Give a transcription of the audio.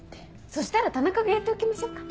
そしたら田中がやっておきましょうか？